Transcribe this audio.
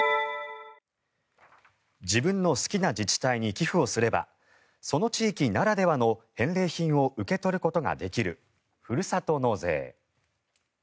自分の好きな自治体に寄付すればその地域ならではの返礼品を受け取ることができるふるさと納税。